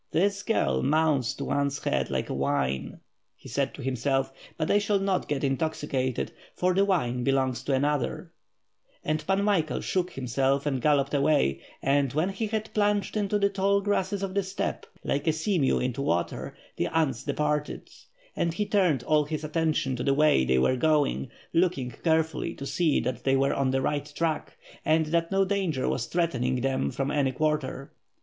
"This girl mounts to one's head like wine,'' he said to himself, 'T>ut I shall not get intoxi cated, for the wine belongs to another;" and Pan Michael shook himself and galloped away, and when he had plunged into the tall grass of the steppe, like a sea mew into w^ater, the ants departed; and he turned all his attention to the way they were gaing, looking carefully to see that they were on the right track, and that no danger was threatening them from any quarter.